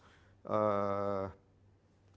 dalam tanda petik